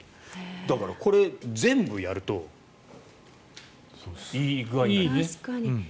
だから、これ全部やるといい具合になる。